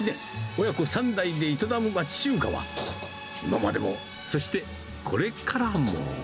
親子３代で営む町中華は、今までも、そしてこれからも。